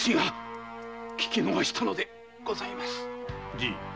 じい！